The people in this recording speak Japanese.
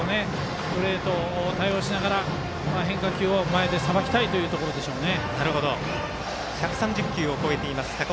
ストレート対応しながら変化球を前でさばきたいところでしょうね。